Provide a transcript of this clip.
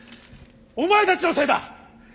お前たちのせいだ！